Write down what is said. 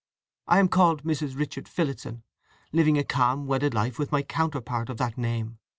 I am called Mrs. Richard Phillotson, living a calm wedded life with my counterpart of that name.